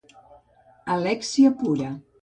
Alèxia pura.